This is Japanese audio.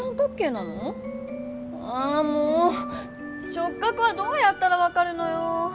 直角はどうやったらわかるのよ。